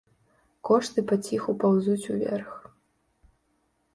Кошты паціху паўзуць уверх.